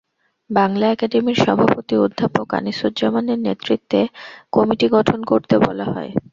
বাংলা একাডেমির সভাপতি অধ্যাপক আনিসুজ্জামানের নেতৃত্বে কমিটি গঠন করতে বলা হয়।